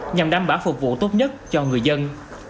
nhằm đảm bảo phục vụ tốt nhất cho người dân